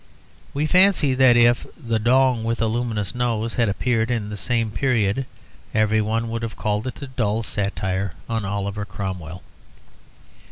We fancy that if 'The Dong with the Luminous Nose' had appeared in the same period everyone would have called it a dull satire on Oliver Cromwell.